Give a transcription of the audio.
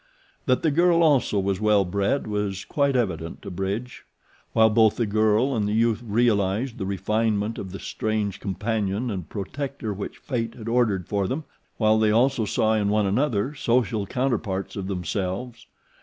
That the girl also was well bred was quite evident to Bridge, while both the girl and the youth realized the refinement of the strange companion and protector which Fate had ordered for them, while they also saw in one another social counterparts of themselves.